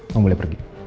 kamu boleh pergi